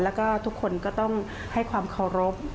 แล้วก็ทุกคนก็ต้องให้ความเคารพ